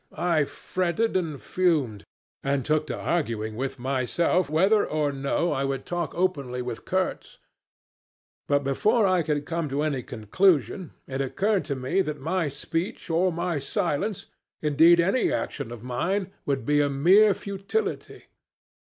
I fretted and fumed and took to arguing with myself whether or no I would talk openly with Kurtz; but before I could come to any conclusion it occurred to me that my speech or my silence, indeed any action of mine, would be a mere futility.